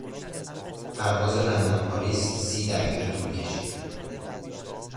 پرواز لندن - پاریس سی دقیقه طول کشید.